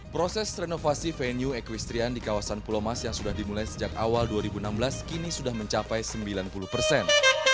proses renovasi venue equestrian di kawasan pulau mas yang sudah dimulai sejak awal dua ribu enam belas kini sudah mencapai sembilan puluh persen